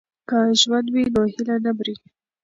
که ژوند وي نو هیله نه مري.